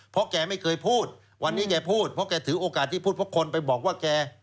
เพราะแกไม่เคยพูดวันนี้แกพูดเพราะแกถือโอกาสที่พูดเพราะคนไปบอกว่าแก